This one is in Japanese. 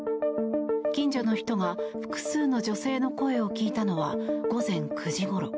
近所の人が複数の女性の声を聞いたのは午前９時ごろ。